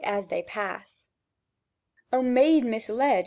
as they pass." "O maid misled!"